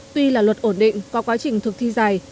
tuy là luật ổn định có quá trình thực thi dài